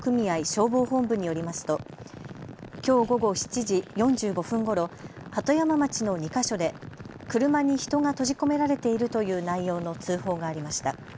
消防本部によりますときょう午後７時４５分ごろ鳩山町の２か所で車に人が閉じ込められているという内容の通報がありました。